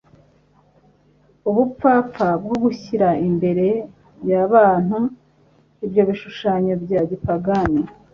ubupfapfa bwo gushyira imbere yabantu ibyo bishushanyo bya gipagani